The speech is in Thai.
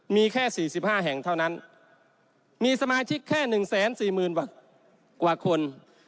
มีแค่๔๕แห่งเท่านั้นมีสมาชิกแค่๑๔๐๐๐กว่าคน